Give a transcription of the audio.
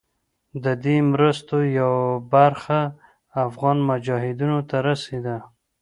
د دې مرستو یوه برخه افغان مجاهدینو ته رسېده.